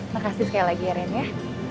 makasih sekali lagi ya ren ya